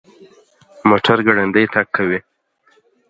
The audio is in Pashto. موټر ګړندی تګ کوي